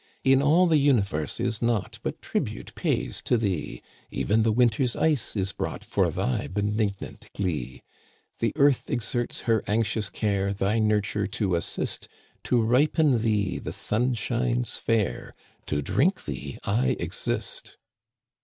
" In all the universe is naught But tribute pays to thee ; Even the winter's ice is brought For thy benignant glee. The Earth exerts her anxious care Thy nurture to assist ; To ripen thee the sun shines fair ; To drink thee I exist."